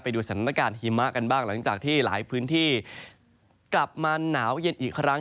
ดูสถานการณ์หิมะกันบ้างหลังจากที่หลายพื้นที่กลับมาหนาวเย็นอีกครั้ง